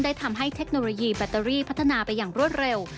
ทำให้เทคโนโลยีแบตเตอรี่พัฒนาไปอย่างรวดเร็ว